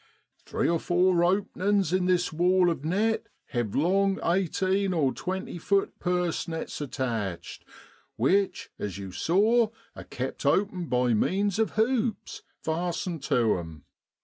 ' Three or four openin's in this wall of net have long eighteen or twenty feet purse nets attached, which, as you saw, are kept open by means of hoops, fastened to 'em.